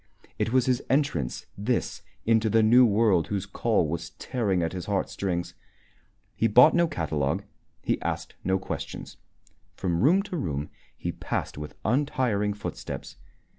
It was his entrance, this, into the new world whose call was tearing at his heartstrings. He bought no catalogue, he asked no questions. From room to room he passed with untiring footsteps.